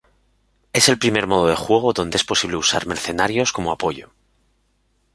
Este es el primer modo de juego donde es posible usar mercenarios como apoyo.